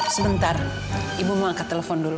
sebentar ibu mau angkat telepon dulu